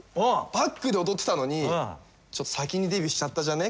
バックで踊っていたのに先にデビューしちゃったじゃね